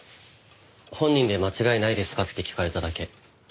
本人で間違いないですか？って聞かれただけ。